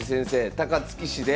高槻市で。